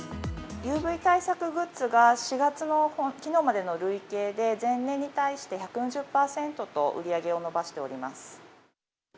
ＵＶ対策グッズが４月のきのうまでの累計で、前年に対して１４０％と売り上げを伸ばしております。